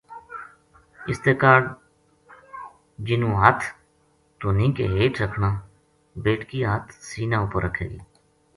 اس تے کاہڈ جنو ہتھ تہنی کے ہیٹھ رکھنا، بیٹکی ہتھ سینہ اہر رکھے گی۔